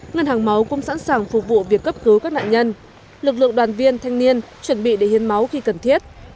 ngân hàng máu cũng sẵn sàng phục vụ việc cấp cứu các nạn nhân lực lượng đoàn viên thanh niên chuẩn bị để hiến máu khi cần thiết